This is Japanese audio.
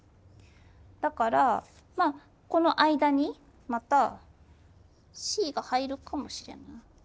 だからまあこの間にまたＣが入るかもしれない。